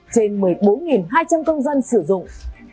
trên một mươi bốn hai trăm linh công dân sử dụng